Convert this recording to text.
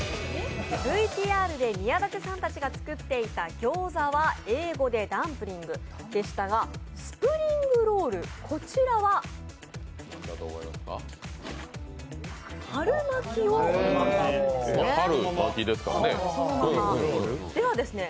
ＶＴＲで宮舘さんたちが作っていたギョーザは英語でダンプリングでしたがスプリングロール、こちらは春巻きを意味するんですね。